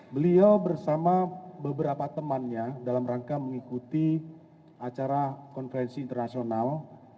beliau bersama beberapa temannya dalam rangka mengikuti acara konferensi internasional